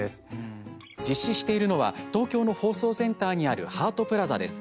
実施しているのは東京放送センターにあるハートプラザです。